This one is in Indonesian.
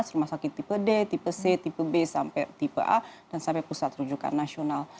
rumah sakit tipe d tipe c tipe b sampai tipe a dan sampai pusat rujukan nasional